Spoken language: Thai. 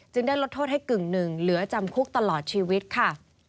ได้ลดโทษให้กึ่งหนึ่งเหลือจำคุกตลอดชีวิตค่ะ